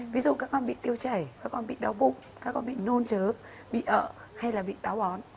ví dụ các con bị tiêu chảy các con bị đau bụng các con bị nôn chớ bị ậ hay là bị táo bón